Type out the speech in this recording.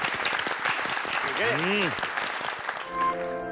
すげえ！